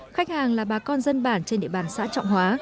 khách hàng là bà con dân bản trên địa bàn xã trọng hóa